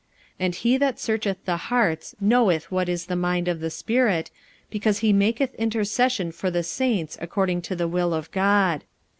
45:008:027 And he that searcheth the hearts knoweth what is the mind of the Spirit, because he maketh intercession for the saints according to the will of God.